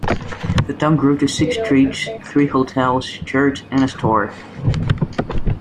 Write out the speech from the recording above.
The town grew to six streets, three hotels, church and a store.